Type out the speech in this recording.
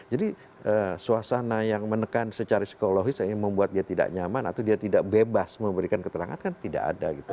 jadi suasana yang menekan secara psikologis yang membuat dia tidak nyaman atau dia tidak bebas memberikan keterangan kan tidak ada